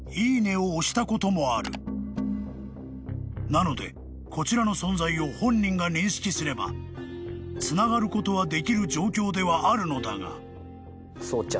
［なのでこちらの存在を本人が認識すればつながることはできる状況ではあるのだが］